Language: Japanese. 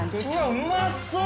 うまそう。